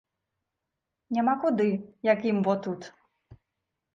Няма куды, як ім во тут.